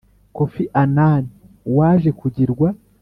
kofi annan, waje kugirwa